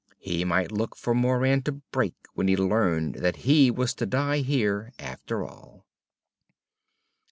He might look for Moran to break when he learned that he was to die here after all.